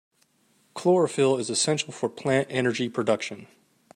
Chlorophyll is essential for plant energy production.